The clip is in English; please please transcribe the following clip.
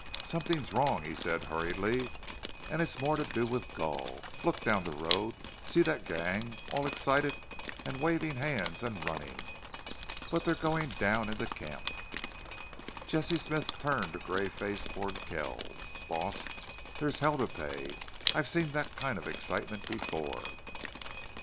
"Somethin' wrong," he said, hurriedly. "An' it's more'n to do with Gul!... Look down the road. See thet gang. All excited an' wavin' hands an' runnin'. But they're goin' down into camp." Jesse Smith turned a gray face toward Kells. "Boss, there's hell to pay! I've seen THET kind of excitement before."